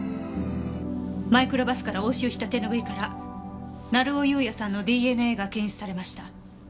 マイクロバスから押収した手ぬぐいから成尾優也さんのＤＮＡが検出されました。